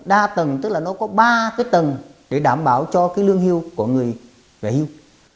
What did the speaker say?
đa tầng tức là nó có ba cái tầng để đảm bảo cho cái lương hưu của người về hưu